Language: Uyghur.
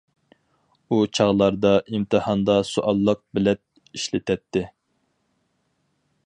ئۇ چاغلاردا ئىمتىھاندا سوئاللىق بىلەت ئىشلىتەتتى.